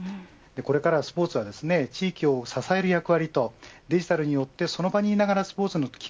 これからは、スポーツは地域を支える役割とデジタルによってその場にながらスポーツのいる機